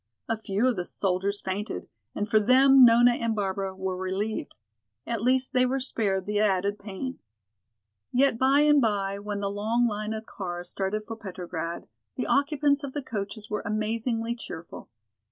A few of the soldiers fainted and for them Nona and Barbara were relieved. At least they were spared the added pain. Yet by and by, when the long line of cars started for Petrograd, the occupants of the coaches were amazingly cheerful.